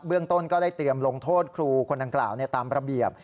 ต้นก็ได้เตรียมลงโทษครูคนดังกล่าวตามระเบียบ